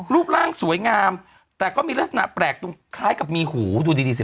รูปร่างสวยงามแต่ก็มีลักษณะแปลกตรงคล้ายกับมีหูดูดีสิ